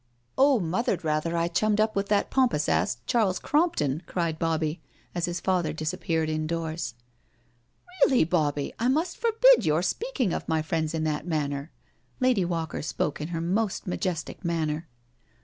Oh, Mother 'd rather I chtmmied up with that pom pous ass, Charles Crompton," cried Bobbie, as hi$ father disappeared indoors. " Really, Bobbie, I must forbid your speaking of my friends in that manner." Lady Walker spoke in her most majestic manner.